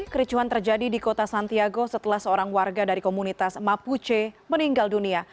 kericuhan terjadi di kota santiago setelah seorang warga dari komunitas mapuche meninggal dunia